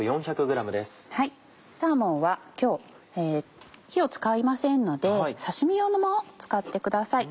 サーモンは今日火を使いませんので刺身用のものを使ってください。